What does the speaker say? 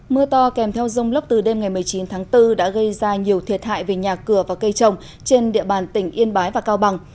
mưa to kèm theo rông lốc từ đêm ngày một mươi chín tháng bốn đã gây ra nhiều thiệt hại về nhà cửa và cây trồng trên địa bàn tỉnh yên bái và cao bằng